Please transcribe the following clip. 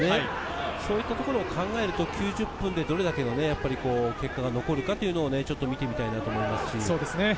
そういったところを考えると９０分でどれだけの結果が残るかというのを見てみたいと思います。